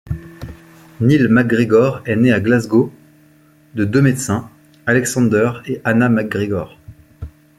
Neil MacGregor est né à Glasgow de deux médecins, Alexander et Anna MacGregor.